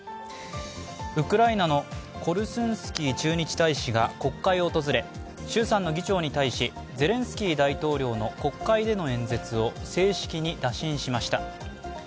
ウクライナのコルスンスキー駐日大使が国会を訪れ衆参の議長に対しゼレンスキー大統領の国会での演説を正式に打診しました。